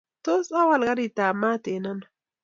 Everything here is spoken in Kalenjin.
Tos, awal karitab maat eng ano?